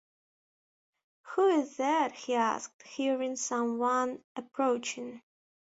‘Who is that?’ he asked, hearing some one approaching.